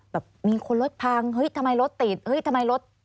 แบบมีคนรถพังเฮ้ยทำไมรถติดเฮ้ยทำไมรถ